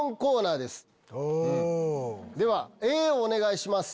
ではＡをお願いします。